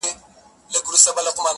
یو سړی له ماسپښینه راته ګوري